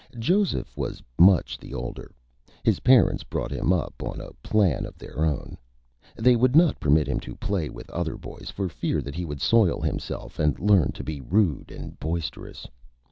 Joseph was much the older. His Parents brought him up on a Plan of their Own. They would not permit him to play with other Boys for fear that he would soil himself; and learn to be Rude and Boisterous.